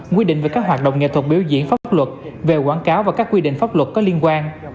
quy định về các hoạt động nghệ thuật biểu diễn pháp luật về quảng cáo và các quy định pháp luật có liên quan